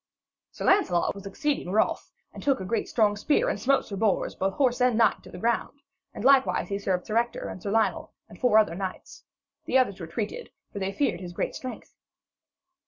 Sir Lancelot was exceeding wroth, and took a great strong spear, and smote Sir Bors, both horse and knight, to the ground; and likewise he served Sir Ector and Sir Lionel, and four other knights. The others retreated, for they feared his great strength.